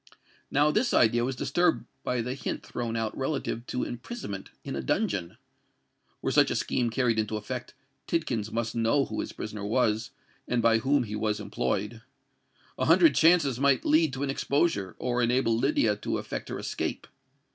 Now this idea was disturbed by the hint thrown out relative to imprisonment in a dungeon. Were such a scheme carried into effect, Tidkins must know who his prisoner was, and by whom he was employed. A hundred chances might lead to an exposure, or enable Lydia to effect her escape.